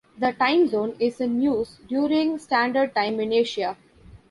The time zone is in use during standard time in Asia.